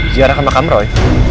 ziarah kemakam roy